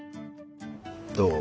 どう？